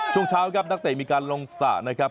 ช่วงเช้าครับนักเตะมีการลงสระนะครับ